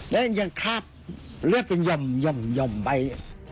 และยังคราบเลือดเป็นหย่อมหย่อมหย่อมไป